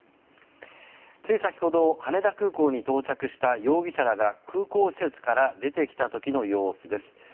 つい先ほど羽田空港に到着した容疑者らが空港施設から出てきた時の様子です。